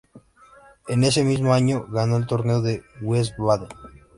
En ese mismo año, ganó el Torneo de Wiesbaden.